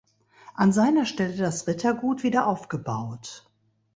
An seiner Stelle das Rittergut wieder aufgebaut.